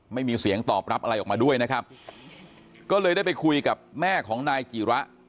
ไม่มีเสียงตอบรับอะไรออกมาด้วยนะครับก็เลยได้ไปคุยกับแม่ของนายกิระ